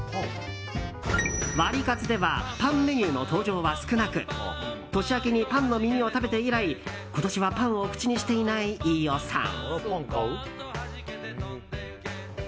ワリカツではパンメニューの登場は少なく年明けにパンの耳を食べて以来今年はパンを口にしていない飯尾さん。